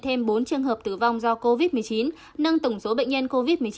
thêm bốn trường hợp tử vong do covid một mươi chín nâng tổng số bệnh nhân covid một mươi chín